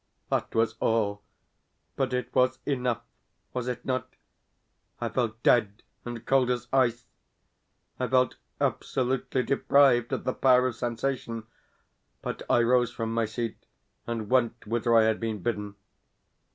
That was all, but it was enough, was it not? I felt dead and cold as ice I felt absolutely deprived of the power of sensation; but, I rose from my seat and went whither I had been bidden.